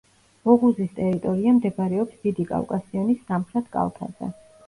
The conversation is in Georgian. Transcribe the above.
ოღუზის ტერიტორია მდებარეობს დიდი კავკასიონის სამხრეთ კალთაზე.